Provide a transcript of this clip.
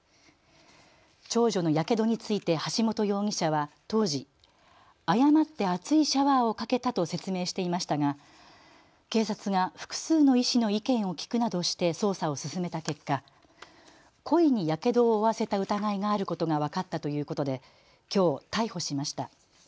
長女のやけどについて橋本容疑者は当時、誤って熱いシャワーをかけたと説明していましたが警察が複数の医師の意見を聞くなどして捜査を進めた結果、故意にやけどを負わせた疑いがあることが分かったということできょう逮捕しました。